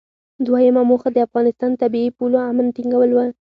دویمه موخه د افغانستان د طبیعي پولو امن ټینګول و.